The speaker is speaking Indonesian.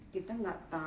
kita gak tahu